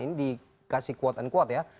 ini dikasih quote and quote ya